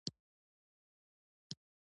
تنوع د افغانستان د موسم د بدلون سبب کېږي.